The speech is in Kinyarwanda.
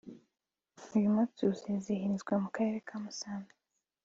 uyu munsi uzizihirizwa mu Karere ka Musanze